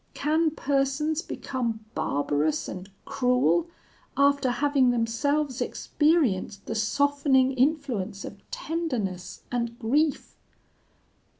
Can persons become barbarous and cruel, after having themselves experienced the softening influence of tenderness and grief?'